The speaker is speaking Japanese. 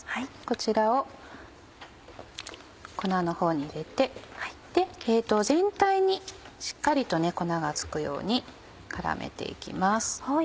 こちらを粉のほうに入れて全体にしっかりと粉が付くように絡めて行きます。